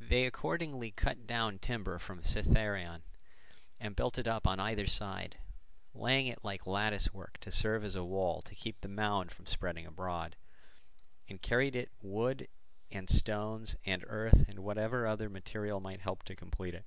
They accordingly cut down timber from Cithaeron, and built it up on either side, laying it like lattice work to serve as a wall to keep the mound from spreading abroad, and carried to it wood and stones and earth and whatever other material might help to complete it.